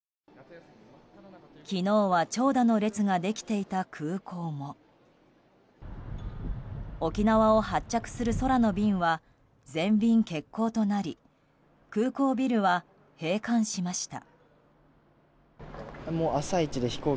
昨日は長蛇の列ができていた空港も沖縄を発着する空の便は全便欠航となり空港ビルは閉館しました。